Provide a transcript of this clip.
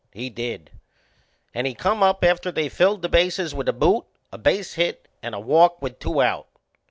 He did, and he come up after they'd filled the bases with a boot, a base hit and a walk with two out.